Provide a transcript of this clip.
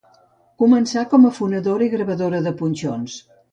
Començà com a fonedora i gravadora de punxons.